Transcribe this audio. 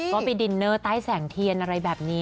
ก็ไปดินเนอร์ใต้แสงเทียนอะไรแบบนี้